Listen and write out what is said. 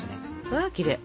うわきれい！